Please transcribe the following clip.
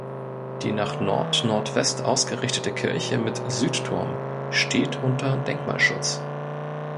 Die nach Nordnordwest ausgerichtete Kirche mit Südturm steht unter Denkmalschutz.